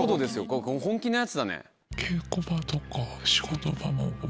これ本気のやつだね。